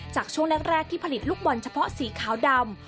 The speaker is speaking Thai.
ช่วงแรกที่ผลิตลูกบอลเฉพาะสีขาวดำ